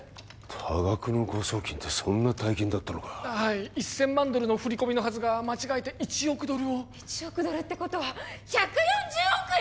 多額の誤送金ってそんな大金だったのかはい１千万ドルの振り込みのはずが間違えて１億ドルを１億ドルってことは１４０億円！？